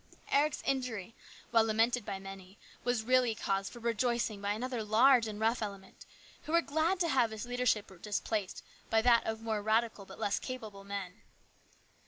Eric's injury, while lamented by very many, was really cause for rejoicing by another large and rough element, who were glad to have his leadership displaced by that of more radical but less capable men.